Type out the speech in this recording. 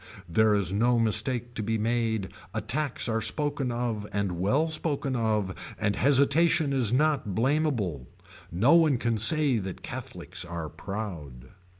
There is no mistake to be made attacks are spoken of and well spoken of and hesitation is not blameable. No one can say that Catholics are proud.